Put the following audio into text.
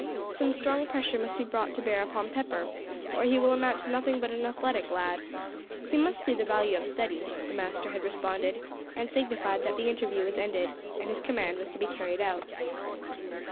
"Some strong pressure must be brought to bear upon Pepper, or he will amount to nothing but an athletic lad. He must see the value of study," the master had responded, and signified that the interview was ended, and his command was to be carried out.